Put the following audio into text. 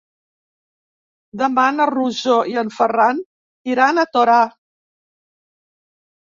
Demà na Rosó i en Ferran iran a Torà.